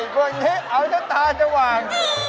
ไอ้คนนี้เอาจ้ะตาจะหว่าง